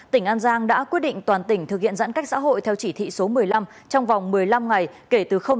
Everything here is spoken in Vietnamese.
tỉnh an giang đã quyết định toàn tỉnh thực hiện giãn cách xã hội theo chỉ thị số một mươi năm trong vòng một mươi năm ngày kể từ h ngày một mươi một tháng bảy